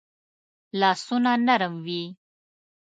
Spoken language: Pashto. لاسونه نرم وي